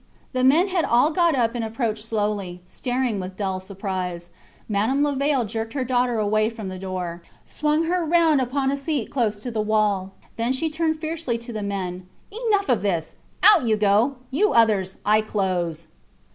The men had all got up and approached slowly, staring with dull surprise. Madame Levaille jerked her daughter away from the door, swung her round upon a seat close to the wall. Then she turned fiercely to the men Enough of this! Out you go you others! I close.